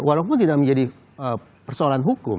walaupun tidak menjadi persoalan hukum